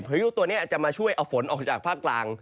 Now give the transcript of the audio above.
พายุตัวนี้จะมาช่วยเอาฝนออกจากภาคกลาง